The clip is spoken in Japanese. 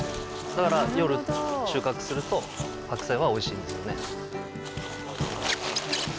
だから夜収穫すると白菜は美味しいんですよね。